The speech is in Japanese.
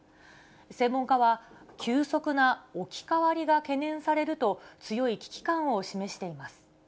専門家は、急速な置き換わりが懸念されると、強い危機感を示しています。